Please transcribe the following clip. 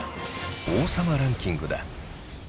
「王様ランキング」だ。